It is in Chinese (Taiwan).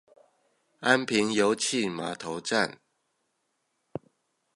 安平遊憩碼頭站